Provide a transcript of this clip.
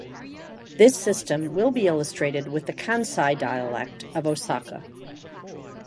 This system will be illustrated with the Kansai dialect of Osaka.